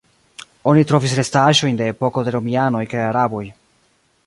Oni trovis restaĵojn de epoko de romianoj kaj araboj.